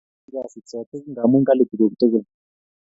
Ui kasit sotik ngamun kali tukuk tugul